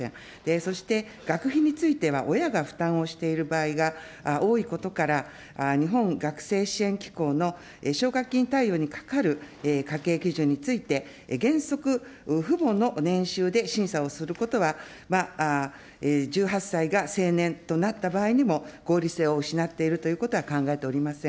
そして、学費については親が負担をしている場合が多いことから、日本学生支援機構の奨学金貸与にかかる家計基準について、原則、父母の年収で審査をすることは、１８歳が成年となった場合にも、合理性を失っているということは考えておりません。